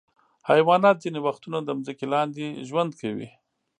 حیوانات ځینې وختونه د ځمکې لاندې ژوند کوي.